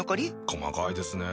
細かいですね。